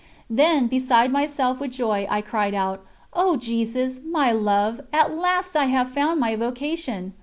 Then, beside myself with joy, I cried out: "O Jesus, my Love, at last I have found my vocation.